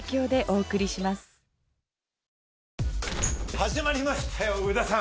始まりましたよ上田さん！